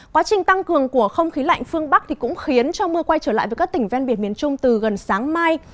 quá trình tăng cường của không khí lạnh phương bắc cũng khiến cho mưa quay trở lại với các tỉnh ven biển miền trung từ gần sáng mai